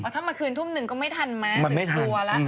อ๋อถ้ามาคืนทุ่มหนึ่งก็ไม่ทันมั้ยถึงตัวละมันไม่ทัน